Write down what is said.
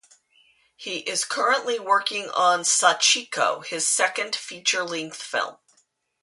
He is currently working on "Sachiko", his second feature-length film.